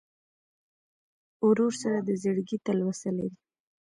ورور سره د زړګي تلوسه لرې.